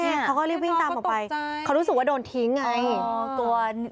เขาก็รีบวิ่งตามออกไปเขารู้สึกว่าโดนทิ้งอย่างนี้น้องก็ตกใจ